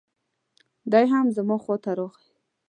دی هم زما خواته راغی.